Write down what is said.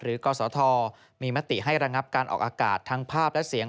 กศธมีมติให้ระงับการออกอากาศทั้งภาพและเสียง